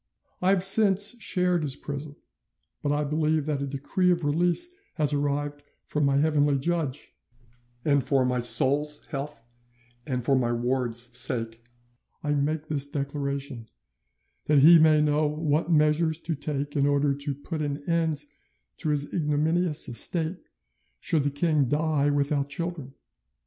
I have since shared his prison, but I believe that a decree of release has arrived from my heavenly judge, and for my soul's health and for my ward's sake I make this declaration, that he may know what measures to take in order to put an end to his ignominious estate should the king die without children.